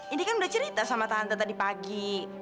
ini kan udah cerita sama tante tadi pagi